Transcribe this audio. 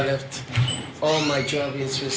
ตั้งแต่ก่อนเนี่ยเธอมีสติธรรม